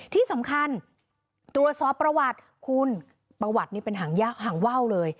ที่สำคัญตรวจสอบประวัติคุณประวัตินี่เป็นหางยากหางว่าวเลย